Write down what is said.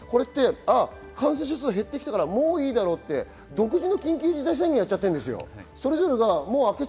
感染者数が減ってきたからいいだろうっていう独自の緊急事態宣言やっちゃってるんです。